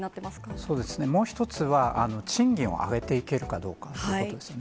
そうですね、もう１つは賃金を上げていけるかどうかということですね。